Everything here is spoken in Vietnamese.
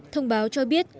thông báo cho biết